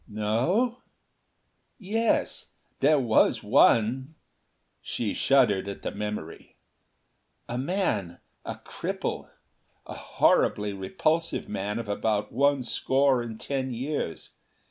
"No yes, there was one." She shuddered at the memory. "A man a cripple a horribly repulsive man of about one score and ten years.